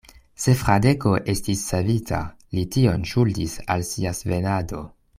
Se Fradeko estis savita, li tion ŝuldis al sia svenado.